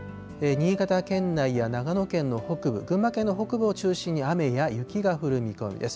新潟県内や長野県の北部、群馬県の北部を中心に雨や雪が降る見込みです。